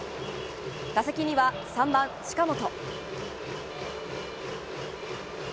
打席には３番、近本。